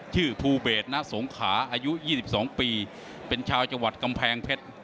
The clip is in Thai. ภูเบศณสงขาอายุ๒๒ปีเป็นชาวจังหวัดกำแพงเพชร